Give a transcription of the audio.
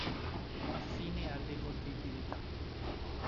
Affine all'evolvibilità.